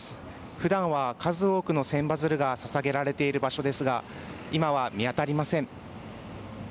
普段は、数多くの千羽鶴がささげられている場所ですが今は見当たりません。